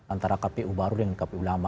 antara kpu baru dengan kpu lama